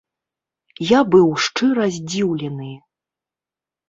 Я быў шчыра здзіўлены.